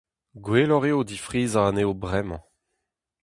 Gwelloc'h eo difrizañ anezho bremañ.